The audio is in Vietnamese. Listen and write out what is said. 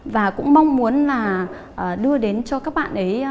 và cũng mong muốn là đưa đến cho các bạn ấy